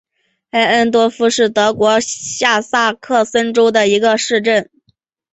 艾恩多夫是德国下萨克森州的一个市镇。